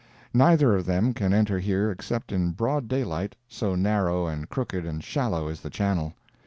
Neither of them can enter here except in broad daylight, so narrow and crooked and shallow is the channel.